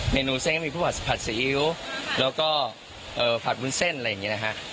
เมนูเส้นก็มีผู้ผัดผัดซีอิ๊วแล้วก็ผัดวุ้นเส้นอะไรอย่างนี้นะฮะ